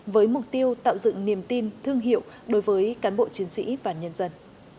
với mục tiêu tạo dựng niềm tin thương hiệu đối với cán bộ chiến sĩ và nhân dân